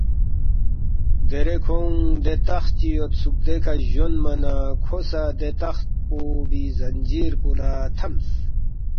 دیرے کھونگ دے تخت چی یودسُوک دیکھہ جونما نہ کھو سہ دے تخت پو بی زنجیر پو لہ تھمس